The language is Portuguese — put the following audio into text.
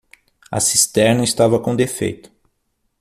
A cisterna estava com defeito.